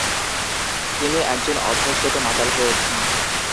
তিনি একজন অভ্যাসগত মাতাল হয়ে ওঠেন।